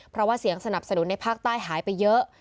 เพราะว่าเสียงสนับสนุนในภาคใต้หายไปเยอะ